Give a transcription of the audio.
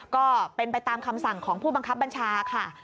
ก็เป็นไปตามคำสั่งของผู้บังคับบัญชาค่ะ